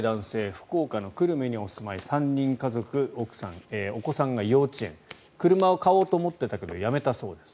福岡の久留米にお住まい３人家族、お子さんが幼稚園車を買おうと思っていたけどやめたそうです。